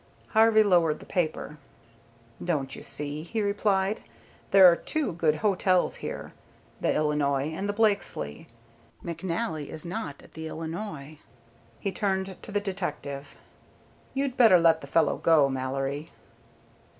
Harvey lowered the paper. "Don't you see," he replied. "There are two good hotels here, the Illinois and the Blakesleigh. McNally is not at the Illinois." He turned to the detective. "You'd better let the fellow go, Mallory."